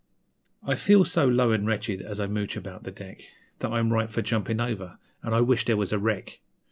I feel so low an' wretched, as I mooch about the deck, That I'm ripe for jumpin' over an' I wish there was a wreck!